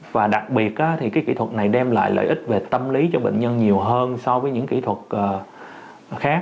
và đặc biệt thì kỹ thuật này đem lại lợi ích về tâm lý cho bệnh nhân nhiều hơn so với những kỹ thuật khác